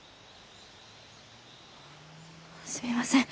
すみません。